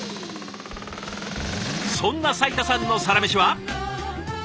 そんな斉田さんのサラメシは。